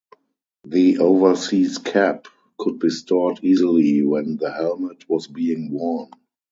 The overseas cap could be stored easily when the helmet was being worn.